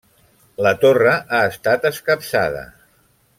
La torre ha estat escapçada.